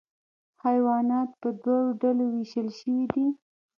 حیوانات په دوه ډلو ویشل شوي دي